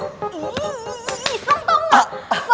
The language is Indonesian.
sumpah tau gak